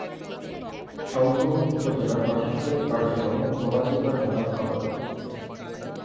সম্পূর্ণ উপজেলার প্রশাসনিক কার্যক্রম গলাচিপা থানার আওতাধীন।